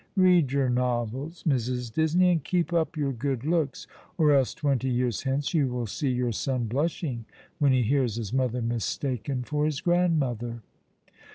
Bead your novels, Mrs. Disney, and keep up your good looks ; or else twenty years hence you will see your son blushing when he hears his mother mistaken for his grandmother."